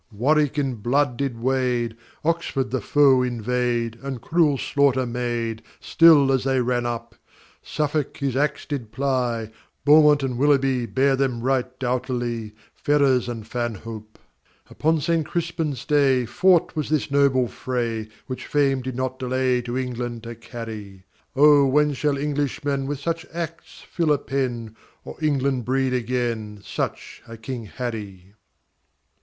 Warwick in blood did wade, Oxford the foe invade, And cruel slaughter made, Still as they ran up; Suffolk his ax did ply, Beaumont and Willoughby Bare them right doughtily, Ferrers and Fanhope. Upon Saint Crispin's day Fought was this noble fray, Which fame did not delay To England to carry; Oh, when shall English men With such acts fill a pen, Or England breed again Such a King Harry?